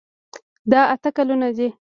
دا اته ګلونه دي.